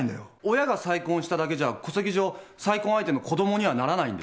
親が再婚しただけじゃ戸籍上再婚相手の子供にはならないんですか？